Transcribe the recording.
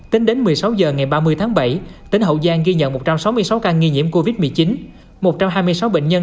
tính đến một mươi sáu h ngày ba mươi tháng bảy tỉnh hậu giang ghi nhận một trăm sáu mươi sáu ca nghi nhiễm covid một mươi chín một trăm hai mươi sáu bệnh nhân